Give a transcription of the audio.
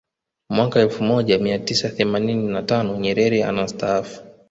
Mwaka elfu moja mia tisa themanini na tano Nyerere anastaafu